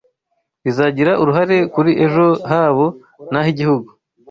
bizagira uruhare kuri ejo habo n’ah’igihugu